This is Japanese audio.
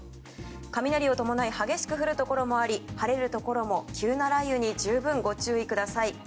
雷を伴い激しく降るところもあり晴れるところも急な雷雨に十分ご注意ください。